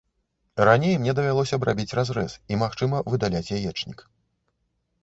Раней мне давялося б рабіць разрэз і, магчыма, выдаляць яечнік.